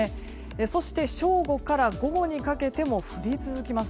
そして、正午から午後にかけても降り続きます。